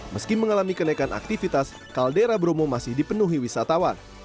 meski mengalami kenaikan aktivitas kaldera bromo masih dipenuhi wisatawan